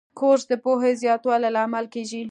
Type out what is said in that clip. کورس د پوهې زیاتولو لامل کېږي.